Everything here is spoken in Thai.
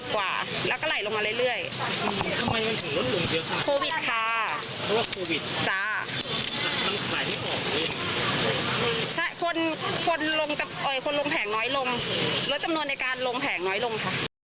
คนลงแผงน้อยลงลดจำนวนในการลงแผงน้อยลงค่ะ